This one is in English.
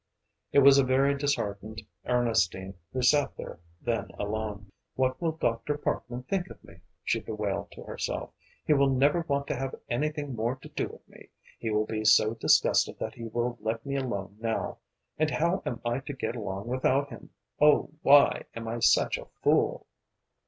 It was a very disheartened Ernestine who sat there then alone. "What will Dr. Parkman think of me?" she bewailed to herself. "He will never want to have anything more to do with me. He will be so disgusted that he will let me alone now. And how am I to get along without him? Oh, why am I such a fool?"